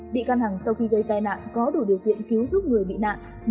bị can hàng sau khi gây tai nạn có đủ điều kiện cứu giúp người bị nạn